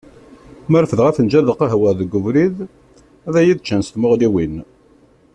Ma refdeɣ afenǧal n lqahwa deg ubrid ad iyi-d-ččen s tmuɣliwin.